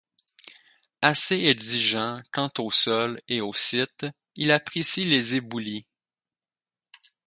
Assez exigeant quant au sol et au site, il apprécie les éboulis.